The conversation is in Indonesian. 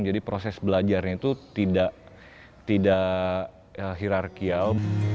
jadi proses belajarnya itu tidak hirarkial